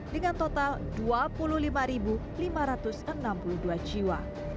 dengan total dua puluh lima lima ratus enam puluh dua jiwa